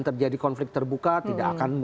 terjadi konflik terbuka tidak akan